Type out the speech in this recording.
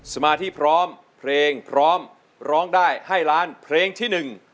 สมาธิพร้อมเพลงพร้อมร้องได้ให้ล้านเพลงที่หนึ่ง